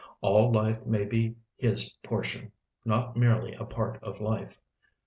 All life may be his portion, not merely a part of life.